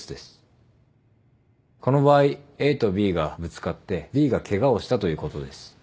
この場合ＡとＢがぶつかってＢがケガをしたということです。